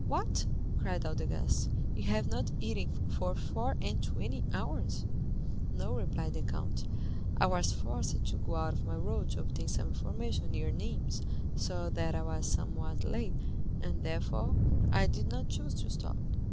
"What," cried all the guests, "you have not eaten for four and twenty hours?" "No," replied the count; "I was forced to go out of my road to obtain some information near Nîmes, so that I was somewhat late, and therefore I did not choose to stop."